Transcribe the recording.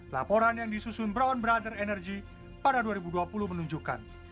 laporan yang disusun brown brother energy pada dua ribu dua puluh menunjukkan